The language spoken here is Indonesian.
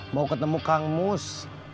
mau ketemu kang mus